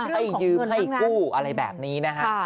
ให้ยืมให้กู้อะไรแบบนี้นะฮะ